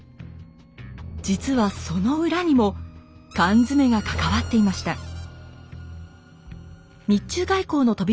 実はそのウラにも缶詰が関わっていました。